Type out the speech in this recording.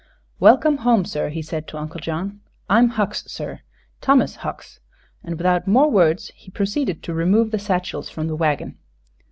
"Welcome home, sir," he said to Uncle John. "I'm Hucks, sir; Thomas Hucks," and without more words he proceeded to remove the satchels from the wagon.